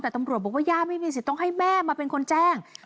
แต่ตำรวจบอกว่าย่าไม่มีสิทธิ์ต้องให้แม่มาเป็นคนแจ้ง